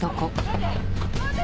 待て！